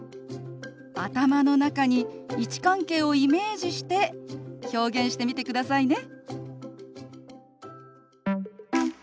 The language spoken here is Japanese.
頭の中に位置関係をイメージして表現してみてくださいね。